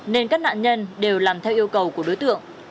nên các nạn nhân đều làm theo yêu cầu của đối tượng